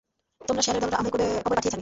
তোমরা শেয়ালের দলরা, আমায় কবরে পাঠিয়েই ছাড়বে।